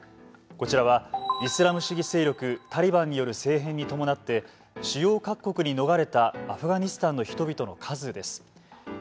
こちらはイスラム主義勢力・タリバンによる政変に伴って主要各国に逃れたアフガニスタンの人々の数です。